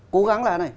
cố gắng là này